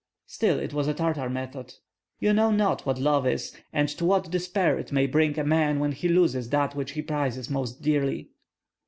"Still it was a Tartar method." "You know not what love is, and to what despair it may bring a man when he loses that which he prizes most dearly."